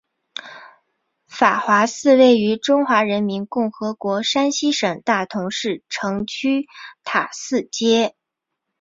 法华寺位于中华人民共和国山西省大同市城区塔寺街。